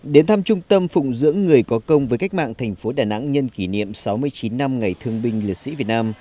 đến thăm trung tâm phụng dưỡng người có công với cách mạng thành phố đà nẵng nhân kỷ niệm sáu mươi chín năm ngày thương binh liệt sĩ việt nam